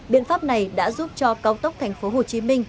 biện pháp này đã giúp cho cao tốc tp hcm